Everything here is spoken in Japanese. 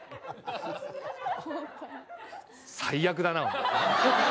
最悪だな、お前。